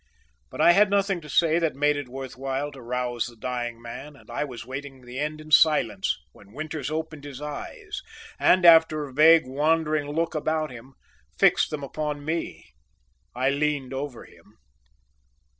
But I had nothing to say that made it worth while to rouse the dying man and I was waiting the end in silence when Winters opened his eyes and after a vague wandering look about him, fixed them upon me. I leaned over him.